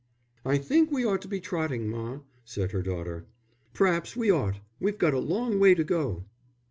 "I think we ought to be trotting, ma," said her daughter. "P'raps we ought. We've got a long way to go."